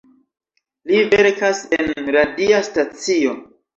Li verkas en radia stacio.